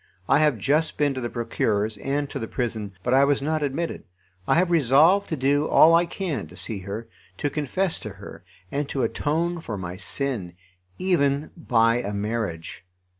I have just been to the Procureur's and to the prison, but I was not admitted. I have resolved to do all I can to see her, to confess to her, and to atone for my sin, even by a marriage.